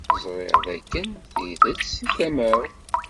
Ẓṛiɣ dakken tidett si tama-w.